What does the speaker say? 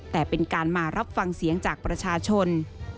แต่เป็นการมารับฟังเสียงจากประชาชน